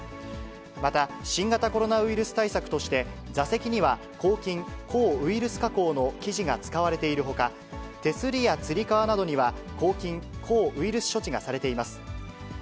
また、新型コロナウイルス対策として、座席には抗菌・抗ウイルス加工の生地が使われているほか、手すりやつり革などには、抗菌・抗ウイルス処置がされています。